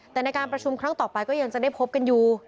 แต่ในการประชุมครั้งต่อไปก็ยังจะได้พบกันอยู่